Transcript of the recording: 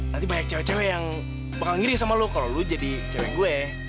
nanti banyak cewek cewek yang bakal ngiri sama lo kalo lo jadi cewek gw